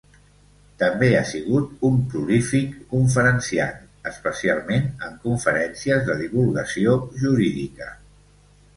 També ha sigut un prolífic conferenciant, especialment en conferències de divulgació jurídica.